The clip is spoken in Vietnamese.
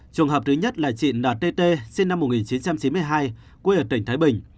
trường hợp thứ nhất là chị đạt tt sinh năm một nghìn chín trăm chín mươi hai quê ở tỉnh thái bình